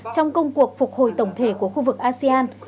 trong công cuộc phục hồi tổng thể của khu vực asean